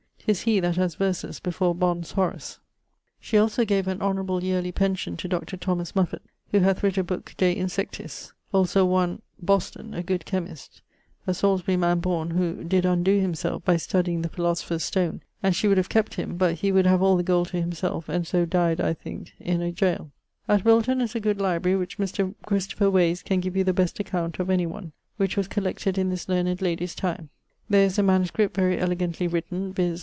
'Tis he that haz verses before Bond's Horace. She also gave an honourable yearly pension to Dr. Mouffett, who hath writt a booke De insectis. Also one ... Boston, a good chymist, a Salisbury man borne, who did undoe himselfe by studying the philosopher's stone, and she would have kept him but he would have all the gold to him selfe and so dyed I thinke in a goale. At Wilton is a good library which Mr. Christopher Wase can give you the best account of of any one; which was collected in this learned ladie's time. There is a manuscript very elegantly written, viz.